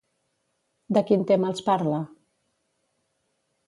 De quin tema els parla?